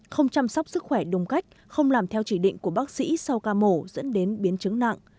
không chăm sóc sức khỏe đúng cách không làm theo chỉ định của bác sĩ sau ca mổ dẫn đến biến chứng nặng